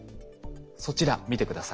そちら見て下さい。